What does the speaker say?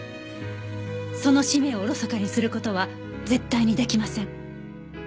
その使命をおろそかにする事は絶対にできません。